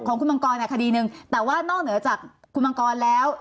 ของคุณมังกรคดีหนึ่งแต่ว่านอกเหนือจากคุณมังกรแล้ว